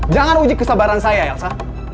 jangan uji kesabaran saya elsa